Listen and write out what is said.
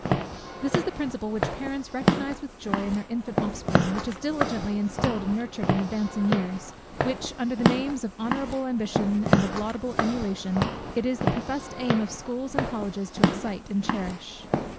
This is the principle which parents recognize with joy in their infant offspring, which is diligently instilled and nurtured in advancing years, which, under the names of honourable ambition and of laudable emulation, it is the professed aim of schools and colleges to excite and cherish.